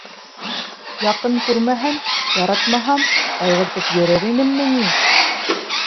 Яҡын күрмәһәм, яратмаһам, ҡайғыртып йөрөр инемме ни?